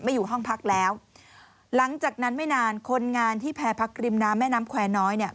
อยู่ห้องพักแล้วหลังจากนั้นไม่นานคนงานที่แพรพักริมน้ำแม่น้ำแควร์น้อยเนี่ย